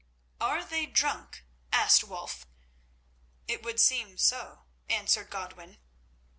"Are they drunk?" asked Wulf. "It would seem so," answered Godwin.